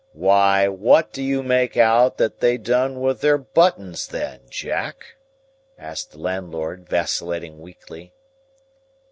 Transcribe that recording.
"Why, what do you make out that they done with their buttons then, Jack?" asked the landlord, vacillating weakly.